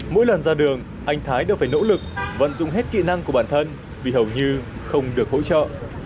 mỗi lần ra đường anh thái đều phải nỗ lực vận dụng hết kỹ năng của bản thân vì hầu như không được hỗ trợ